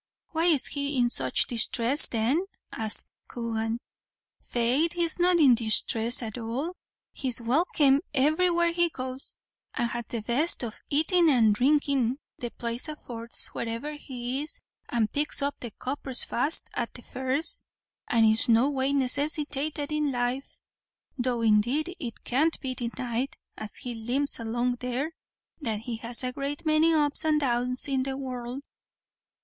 "Why is he in such distress then?" asked Coogan. "Faith he's not in disthress at all; he's welkim everywhere he goes, and has the best of atin' and dhrinkin' the place affords, wherever he is, and picks up the coppers fast at the fairs, and is no way necessiated in life; though indeed it can't be denied, as he limps along there, that he has a great many ups and downs in the world."